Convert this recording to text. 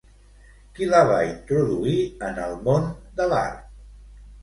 Qui la va introduir en el món de l'art?